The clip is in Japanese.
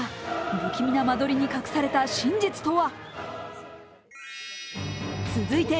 不気味な間取りに隠された真実とは。